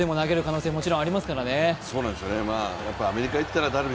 準決勝、決勝でも投げる可能性がもちろんありますからね。